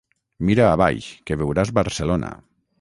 Mira a baix, que veuràs Barcelona.